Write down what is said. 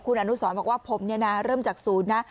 คุณอนุสรบอกว่าผมเนี่ยนะเริ่มจากศูนย์นะ